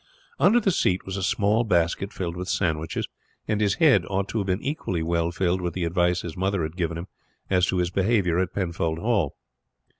Under the seat was a small basket filled with sandwiches, and his head ought to have been equally well filled with the advice his mother had given him as to his behavior at Penfold Hall.